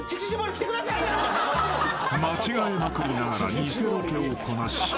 ［間違えまくりながら偽ロケをこなし］